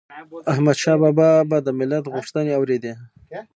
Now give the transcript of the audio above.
احمدشاه بابا به د ملت غوښتنې اوريدي